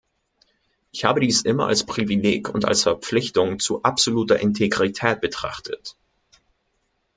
Ich habe dies immer als Privileg und als Verpflichtung zu absoluter Integrität betrachtet.